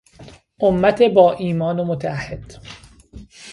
امت با ایمان و متعهد